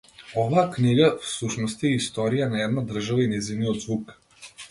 Оваа книга, всушност, е историја на една држава и нејзиниот звук.